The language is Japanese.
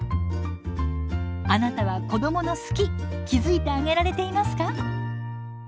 あなたは子どもの「好き」気付いてあげられていますか？